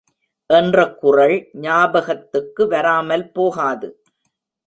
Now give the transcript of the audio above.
என்ற குறள் ஞாபகத்துக்கு வராமல் போகாது.